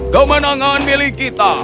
kemenangan milik kita